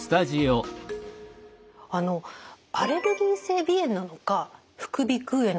アレルギー性鼻炎なのか副鼻腔炎なのか